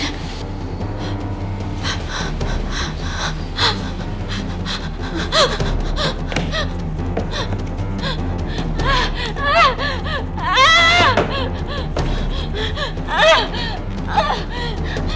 ini tidak mungkin